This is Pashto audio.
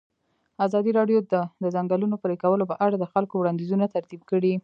ازادي راډیو د د ځنګلونو پرېکول په اړه د خلکو وړاندیزونه ترتیب کړي.